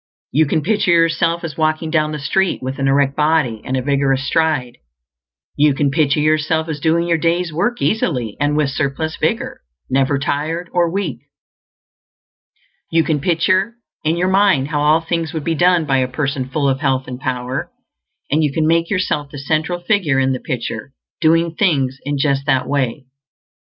You can picture yourself as walking down the street with an erect body and a vigorous stride; you can picture yourself as doing your day's work easily and with surplus vigor, never tired or weak; you can picture in your mind how all things would be done by a person full of health and power, and you can make yourself the central figure in the picture, doing things in just that way.